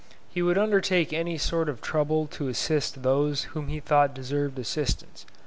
He would undertake any sort of trouble to assist those whom he thought deserved assistance.